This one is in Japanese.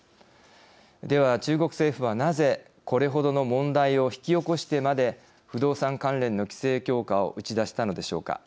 では中国政府はなぜこれほどの問題を引き起こしてまで不動産関連の規制強化を打ち出したのでしょうか。